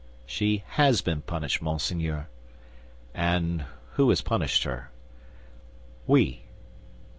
"She has been punished, monseigneur." "And who has punished her?" "We."